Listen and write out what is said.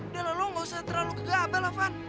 udah lah lo gak usah terlalu kegabal van